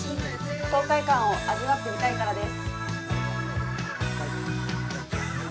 爽快感を味わってみたいからです。